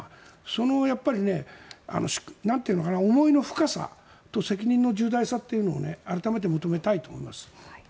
その思いの深さと責任の重大さというのを改めて求めたいと思います。